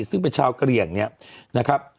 ซึ่งเป็นชาวกะเหลี่ยงเนี่ยนะครับ